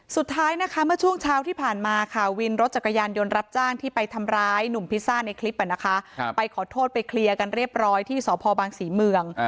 สุดท้ายนะคะเมื่อช่วงเช้าที่ผ่านมาค่ะวินรถจักรยานยนต์รับจ้างที่ไปทำร้ายหนุ่มพิซซ่าในคลิปไปขอโทษไปเคลียร์กันเรียบร้อยที่สพบางศรีเมือง